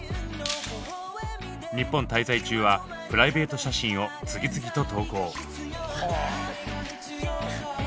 日本滞在中はプライベート写真を次々と投稿。